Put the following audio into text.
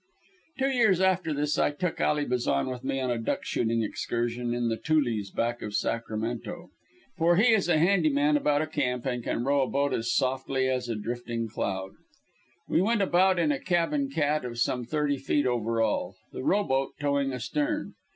Two years after this I took Ally Bazan with me on a duck shooting excursion in the "Toolies" back of Sacramento, for he is a handy man about a camp and can row a boat as softly as a drifting cloud. We went about in a cabin cat of some thirty feet over all, the rowboat towing astern.